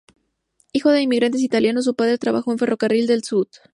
Hijo de inmigrantes italianos, su padre trabajó en el Ferrocarril del Sud.